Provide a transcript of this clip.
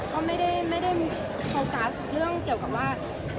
ก็ไม่ได้โฟกัสเรื่องเกี่ยวกับว่า